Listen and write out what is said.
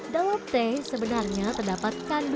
dalam teh sebenarnya terdapat kandungan